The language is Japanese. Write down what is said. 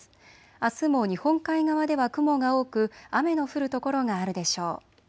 あすも日本海側では雲が多く雨の降る所があるでしょう。